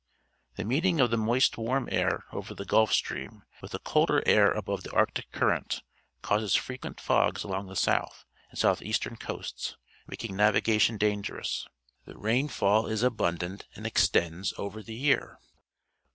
.The meeting of the^inoist warm nir over the Gulf Stream with the colder air almxc the Arctic Current causes frequent fogs along the south and south eastern coasts, making navigation dangerous. The rainfall is abun dant and extends over the year.